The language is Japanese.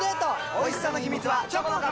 おいしさの秘密はチョコの壁！